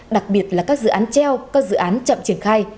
đặc biệt là các dự án treo các dự án chậm triển khai